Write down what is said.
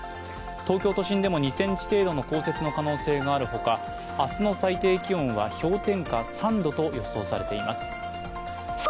東京都心でも２ｃｍ程度の降雪の可能性があるほか、明日の最低気温は氷点下３度と予想されています。